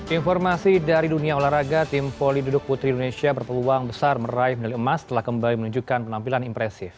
informasi dari dunia olahraga tim volley duduk putri indonesia berpeluang besar meraih medali emas setelah kembali menunjukkan penampilan impresif